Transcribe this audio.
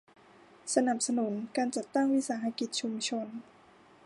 สนับสนุนการจัดตั้งวิสาหกิจชุมชน